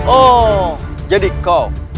oh jadi kau